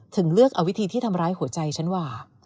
ถึงเลือกเอาวิธีที่ทำร้ายหัวใจฉันว่า